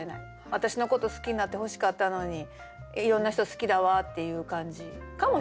私のこと好きになってほしかったのにいろんな人好きだわっていう感じかもしれない。